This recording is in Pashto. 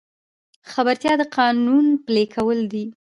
خبرتیا د قانون پلي کول دي